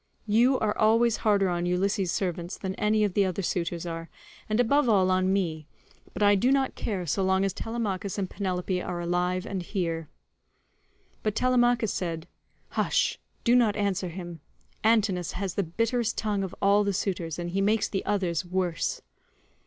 You are always harder on Ulysses' servants than any of the other suitors are, and above all on me, but I do not care so long as Telemachus and Penelope are alive and here." But Telemachus said, "Hush, do not answer him; Antinous has the bitterest tongue of all the suitors, and he makes the others worse."